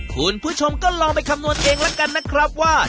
คุณผู้ชมก็ลองไปคำนวณเองแล้วกันนะครับว่า